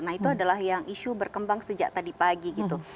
nah itu adalah yang isu berkembang sejak tadi pagi gitu